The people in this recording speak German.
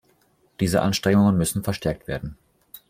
Diese Anstrengungen müssen verstärkt werden.